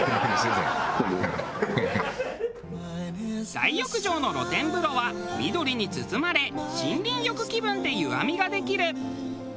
大浴場の露天風呂は緑に包まれ森林浴気分で湯浴みができる。